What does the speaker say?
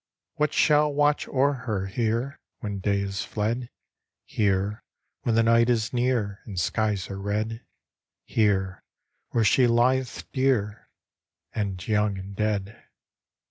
What shall watch o'er her here When day is fled? Here, when the night is near And skies are red; Here, where she lieth dear And young and dead.